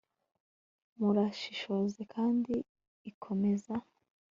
murayishoje kandi ikomeza